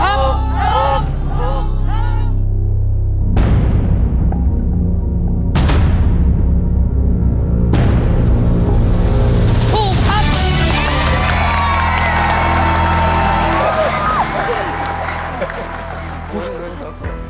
ถูกครับ